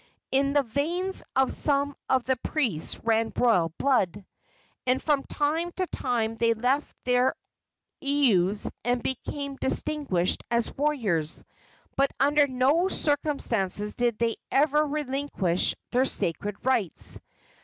In the veins of some of the priests ran royal blood, and from time to time they left their heiaus and became distinguished as warriors; but under no circumstances did they ever relinquish their sacred rights.